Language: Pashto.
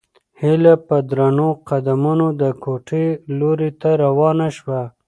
هیله په درنو قدمونو د کوټې لوري ته روانه شوه.